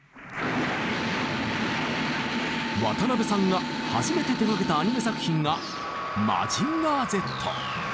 渡辺さんが初めて手がけたアニメ作品が「マジンガーＺ」。